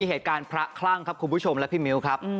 เหตุการณ์พระคลั่งครับคุณผู้ชมและพี่มิ้วครับ